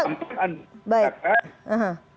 dan kita sudah menangkap itu